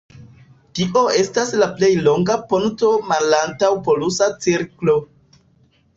Tio estas la plej longa ponto malantaŭ polusa cirklo.